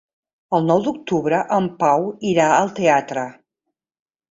El nou d'octubre en Pau irà al teatre.